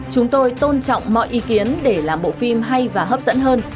chúng tôi tôn trọng mọi ý kiến để làm bộ phim hay và hấp dẫn hơn